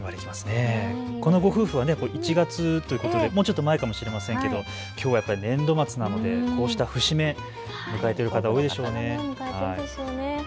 このご夫婦は１月ということでもうちょっと前かもしれませんけどきょう年度末なのでこうした節目を迎えている方多いでしょうね。